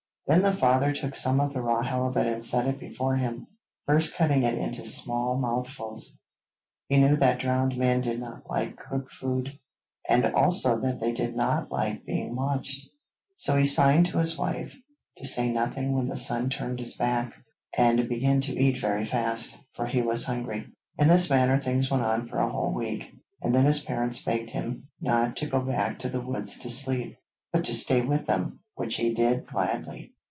Then the father took some of the raw halibut and set it before him, first cutting it into small mouthfuls. He knew that drowned men did not like cooked food, and also that they did not like being watched. So he signed to his wife to say nothing when the son turned his back, and began to eat very fast, for he was hungry. In this manner things went on for a whole week, and then his parents begged him not to go back to the woods to sleep, but to stay with them, which he did gladly.